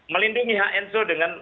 melindungi hak enzo dengan